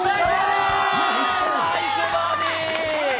ナイスバーディー！